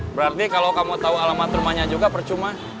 berarti kalau kamu tahu alamat rumahnya juga percuma